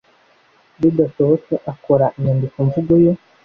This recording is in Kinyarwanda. bidashobotse akora inyandikomvugo yo